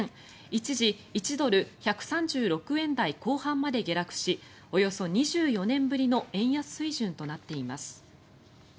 一時１ドル＝１３６円台後半まで下落しおよそ２４年ぶりの円安水準となっています。